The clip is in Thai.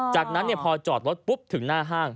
จากนั้นพอจอดรถปุ๊บถึงหน้าห้าง